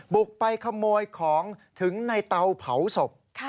บุกไปขโมยของถึงในเตาเผาศพ